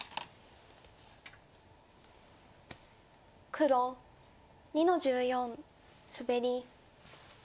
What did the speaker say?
黒２の十四スベリ。